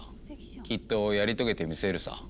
きっとやり遂げてみせるさ。